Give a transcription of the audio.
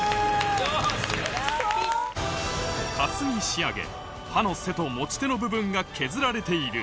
霞仕上げ刃の背と持ち手の部分が削られている